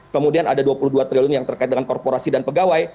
kemudian ada dua puluh dua triliun yang terkait dengan korporasi dan pegawai